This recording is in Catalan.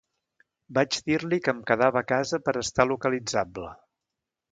Vaig dir-li que em quedava a casa per a estar localitzable.